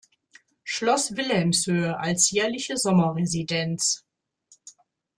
Schloss Wilhelmshöhe als jährliche Sommerresidenz.